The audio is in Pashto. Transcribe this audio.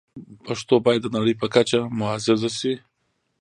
پښتو باید د نړۍ په کچه معزز شي.